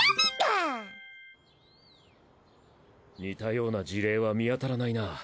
似たような事例は見当たらないな。